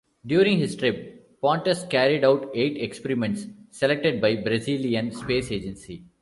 During his trip, Pontes carried out eight experiments selected by the Brazilian Space Agency.